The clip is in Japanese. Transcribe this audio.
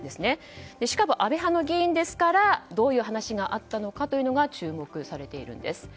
しかも、安倍派の議員ですからどういう話があったのかというのが注目されているんです。